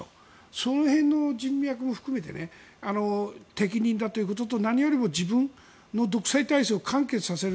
その辺の人脈も受けて適任だということと何よりも自分の独裁体制を完結させる。